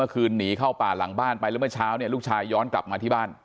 คืนหนีเข้าป่าหลังบ้านไปแล้วเมื่อเช้าเนี่ยลูกชายย้อนกลับมาที่บ้าน